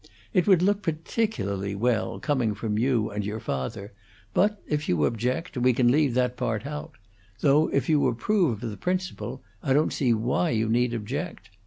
It would look particularly well, coming from you and your father, but if you object, we can leave that part out; though if you approve of the principle I don't see why you need object.